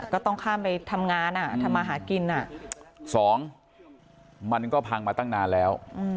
ก็ต้องข้ามไปทำงานทำมาหากินสองมันก็พังมาตั้งนานแล้ว